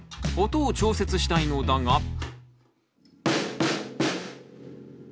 音を調節したいのだが。